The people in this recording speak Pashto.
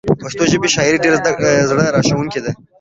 پښتو ژبې شاعري ډيره زړه راښکونکي ده